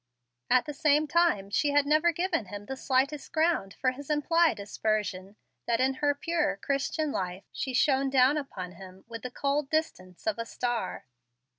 At the same time she had never given him the slightest ground for his implied aspersion that in her pure, Christian life she shone down upon him with the cold distance of a "star."